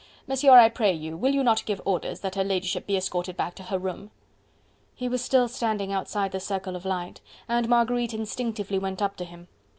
Monsieur, I pray you, will you not give orders that her ladyship be escorted back to her room?" He was still standing outside the circle of light, and Marguerite instinctively went up to him.